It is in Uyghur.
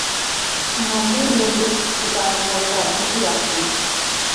نەزم يېزىش ئىستېداتى بولسا تېخى ياخشى.